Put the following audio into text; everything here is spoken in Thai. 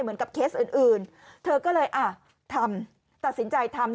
เหมือนกับเคสอื่นเธอก็เลยทำตัดสินใจทำ